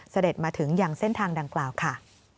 เสด็จมาถึงอย่างเส้นทางดังกล่าวค่ะ